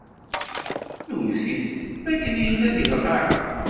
Iwet-it m akken yella deg lqaɛa.